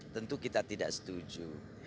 tentu kita tidak setuju